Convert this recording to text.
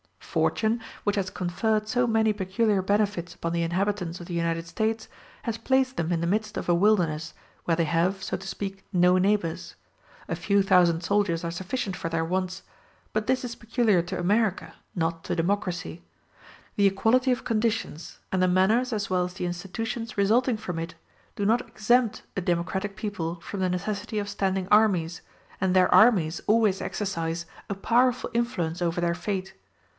Fortune, which has conferred so many peculiar benefits upon the inhabitants of the United States, has placed them in the midst of a wilderness, where they have, so to speak, no neighbors: a few thousand soldiers are sufficient for their wants; but this is peculiar to America, not to democracy. The equality of conditions, and the manners as well as the institutions resulting from it, do not exempt a democratic people from the necessity of standing armies, and their armies always exercise a powerful influence over their fate.